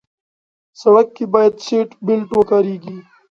سړک کې باید سیټ بیلټ وکارېږي.